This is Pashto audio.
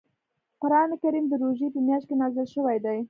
قران کریم د روژې په میاشت کې نازل شوی دی .